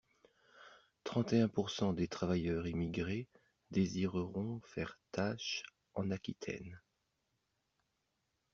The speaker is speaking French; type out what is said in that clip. Trente et un pour cent des travailleurs immigrés désireront faire tache en Aquitaine.